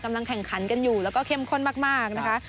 แข่งขันกันอยู่แล้วก็เข้มข้นมากนะคะ